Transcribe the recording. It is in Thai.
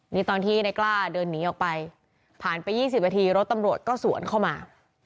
นี่ตอนที่ในกล้าเดินหนีออกไปผ่านไป๒๐นาทีรถตำรวจก็สวนเข้ามา